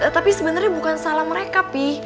tapi sebenarnya bukan salah mereka sih